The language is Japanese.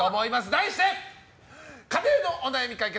題して、家庭のお悩み解決！